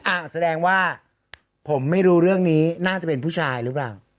แสดงว่าผมไม่รู้เรื่องนี้น่าจะเป็นผู้ชายหรือเปล่า